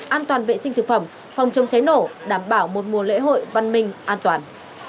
an toàn vệ sinh thực phẩm phòng chống cháy nổ đảm bảo một mùa lễ hội văn minh an toàn